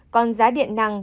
còn giá điện năng